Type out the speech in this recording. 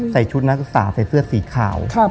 ชุดนักศึกษาใส่เสื้อสีขาว